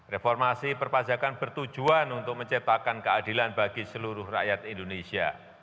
reformasi perpajakan bertujuan untuk menciptakan keadilan bagi seluruh rakyat indonesia